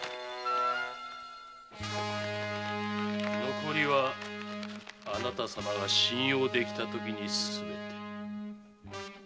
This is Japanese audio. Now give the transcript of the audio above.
残りはあなた様が信用できたときにすべて。